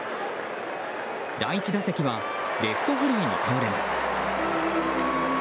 第１打席はレフトフライに倒れます。